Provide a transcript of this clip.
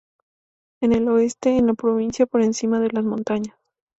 En el oeste, en la provincia por encima de las montañas.